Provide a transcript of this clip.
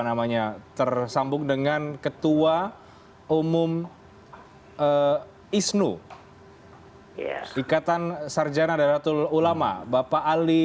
namanya tersambung dengan ketua umum isnu ikatan sarjana daratul ulama bapak ali